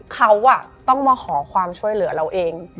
เขาต้องมาขอความช่วยเหลือเราเอง